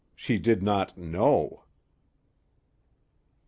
She did not know."